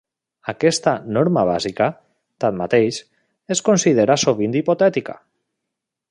Aquesta "norma bàsica", tanmateix, es considera sovint hipotètica.